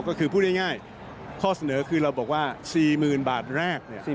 ก็คือพูดง่ายข้อเสนอคือเราบอกว่า๔๐๐๐บาทแรก